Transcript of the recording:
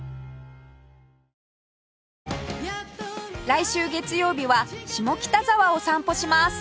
来週月曜日は下北沢を散歩します